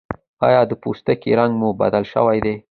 ایا د پوستکي رنګ مو بدل شوی دی؟